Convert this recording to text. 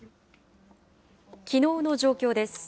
きのうの状況です。